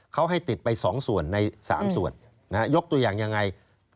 เขาให้ติดไป๒ส่วนใน๓ส่วนยกตัวอย่างยังไง